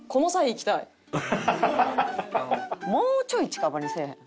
もうちょい近場にせえへん？